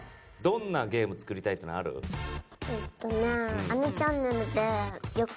えっとね。